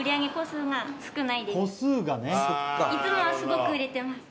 そっかいつもはすごく売れてます